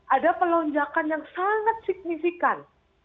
ada pelonjakan yang sangat signifikan